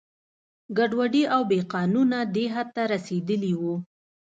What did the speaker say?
ګډوډي او بې قانونه دې حد ته رسېدلي وو.